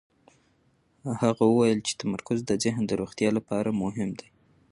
هغه وویل چې تمرکز د ذهن د روغتیا لپاره مهم دی.